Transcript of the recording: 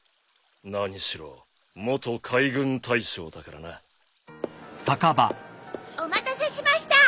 何しろ元海軍大将だからな。お待たせしました。